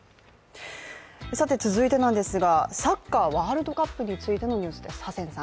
続いてなんですが、サッカーワールドカップについてのニュースです。